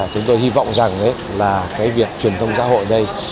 chúng tôi hy vọng rằng việc truyền thông xã hội này